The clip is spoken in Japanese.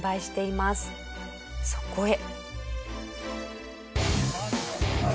そこへ。